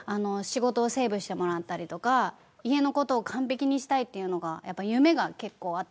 仕事をセ―ブしてもらったりとか家の事を完璧にしたいっていうのが夢が結構あったから。